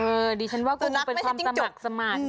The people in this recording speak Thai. เออดิฉันว่ากูมันเป็นความสมัครสมัคร